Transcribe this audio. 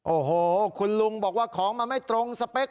โอ้โหคุณลุงบอกว่าของมันไม่ตรงสเปค